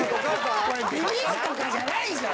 これビビるとかじゃないじゃん！